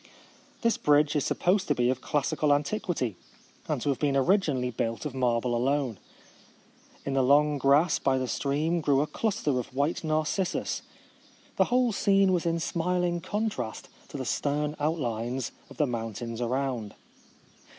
This bridge is supposed to be of classical antiquity and to have been origi nally built of marble alone. In the long grass by the stream grew a cluster of white narcissus. The whole scene was in smiling contrast to the stern outlines of the moun tains around.